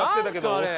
あれ。